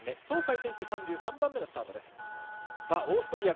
東海選手、３３番目のスタート。